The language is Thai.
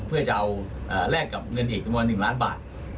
เพื่อจะเอาแลกกับเงินอีกจำนวน๑ล้านบาท